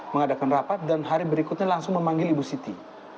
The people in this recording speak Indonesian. mengadakan rapat dan hari berikutnya langsung memanggil ibu siti